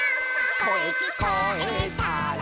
「こえきこえたら」